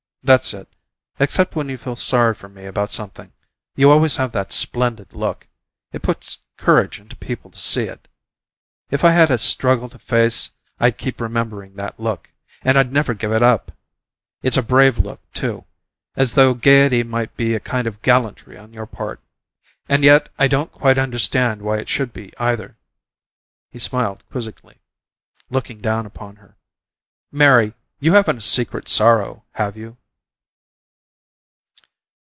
That's it. Except when you feel sorry for me about something, you always have that splendid look. It puts courage into people to see it. If I had a struggle to face I'd keep remembering that look and I'd never give up! It's a brave look, too, as though gaiety might be a kind of gallantry on your part, and yet I don't quite understand why it should be, either." He smiled quizzically, looking down upon her. "Mary, you haven't a 'secret sorrow,' have you?"